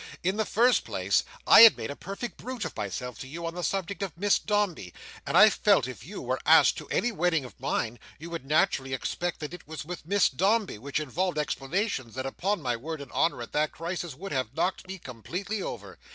In the first place, I had made a perfect brute of myself to you, on the subject of Miss Dombey; and I felt that if you were asked to any wedding of mine, you would naturally expect that it was with Miss Dombey, which involved explanations, that upon my word and honour, at that crisis, would have knocked me completely over.